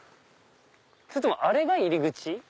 それともあれが入り口？